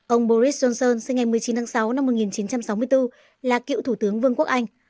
ông boris johnson sinh ngày một mươi chín tháng sáu năm một nghìn chín trăm sáu mươi bốn là cựu thủ tướng vương quốc anh